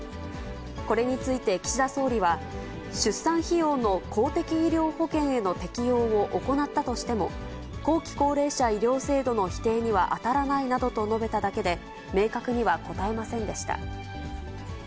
これについて岸田総理は、出産費用の公的医療保険への適用を行ったとしても、後期高齢者医療制度の否定には当たらないなどと述べただけで、明確には答えませんでした。